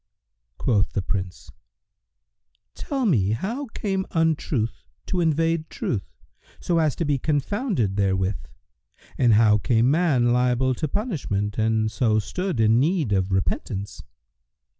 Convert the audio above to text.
Quoth the Prince, "Tell me how came Untruth to invade Truth, so as to be confounded therewith and how became man liable to punishment and so stood in need of repentance."